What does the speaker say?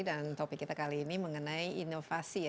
dan topik kita kali ini mengenai inovasi ya